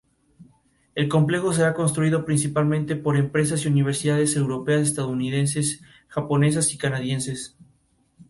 El complejo será construido principalmente por empresas y universidades europeas, estadounidenses, japonesas y canadienses.